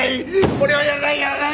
俺はやらないやらない！